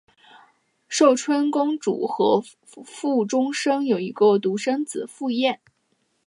寿春公主和傅忠生有一个独生子傅彦。